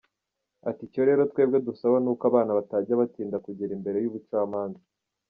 Ati “Icyo rero twebwe dusaba ni uko abana batajya batinda kugera imbere y’ubucmanza.